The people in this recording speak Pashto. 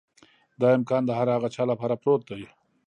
دا امکان د هر هغه چا لپاره پروت دی.